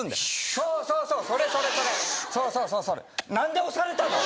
そうそうそうそれそれそれそうそうそうそれなんで押されたの？